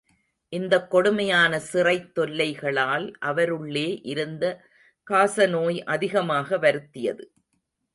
இந்தக் கொடுமையான சிறைத் தொல்லைகளால் அவருள்ளே இருந்த காசநோய் அதிகமாக வருத்தியது.